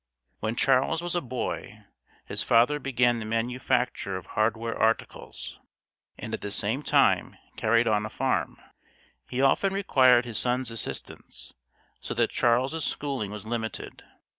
When Charles was a boy, his father began the manufacture of hardware articles, and at the same time carried on a farm. He often required his son's assistance, so that Charles's schooling was limited.